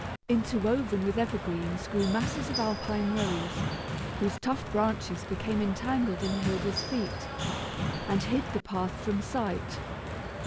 Interwoven with evergreens, grew masses of alpine rose, whose tough branches became entangled in Hilda's feet, and hid the path from sight.